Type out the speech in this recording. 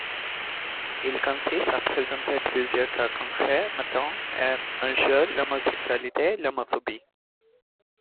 Il consiste à présenter plusieurs cas concrets mettant en jeu l'homosexualité et l'homophobie.